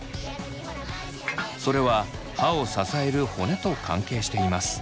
それは歯を支える骨と関係しています。